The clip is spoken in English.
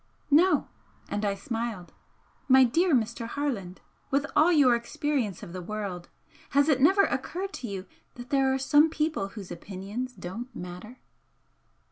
"No," and I smiled "My dear Mr. Harland, with all your experience of the world, has it never occurred to you that there are some people whose opinions don't matter?"